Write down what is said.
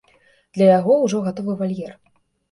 Для яго ўжо гатовы вальер.